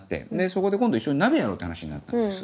そこで今度一緒に鍋やろうっていう話になったんです。